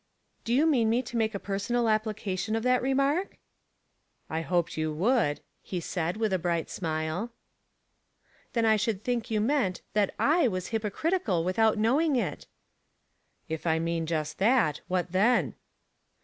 " Do you mean me to make a personal applica tion of that remark ?"*' I hoped you would," he said, with a bright smile. " Then I should think you meant that / was hypocritical without knowing it." " If I mean just that, what then